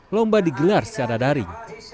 lomba digelar secara daring